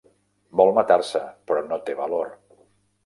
Vol matar-se, però no té valor.